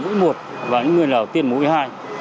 những người nào tiêm được mũi một và những người nào tiêm mũi hai